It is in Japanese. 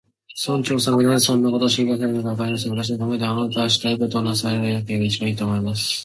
村長さんがなぜそんなことを心配されるのか、わかりません。私の考えでは、あなたはしたいことをなさればいちばんいい、と思います。